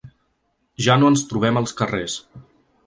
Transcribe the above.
Ja no ens trobem als carrers.